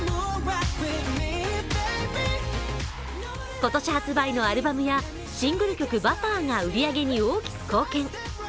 今年発売のアルバムやシングル曲「Ｂｕｔｔｅｒ」が売り上げに大きく貢献。